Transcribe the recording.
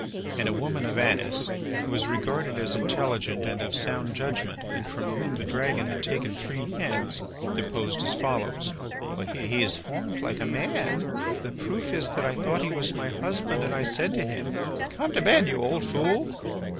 And a woman of Anis, who was regarded as intelligent and of sound judgment and from whom the dragon had taken three hens, deposed as follows: "He is formed like a man. The proof is that I thought he was my husband, and I said to him, 'Come to bed, you old fool.